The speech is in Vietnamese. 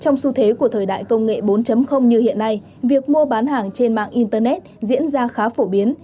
trong xu thế của thời đại công nghệ bốn như hiện nay việc mua bán hàng trên mạng internet diễn ra khá phổ biến